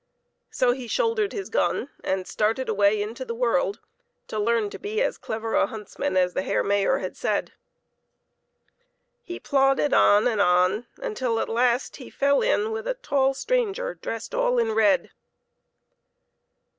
So he shouldered his gun, and started away into the world to learn to be as clever a huntsman as the Herr Mayor had said. He plodded on and on uptil at last he fell in with a tall stranger dressed all in red.